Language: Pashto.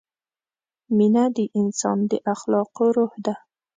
مینه د انسان د اخلاقو روح ده.